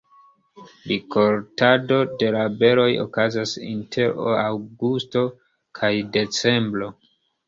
Rikoltado de la beroj okazas inter aŭgusto kaj decembro.